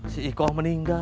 si ikoh meninggal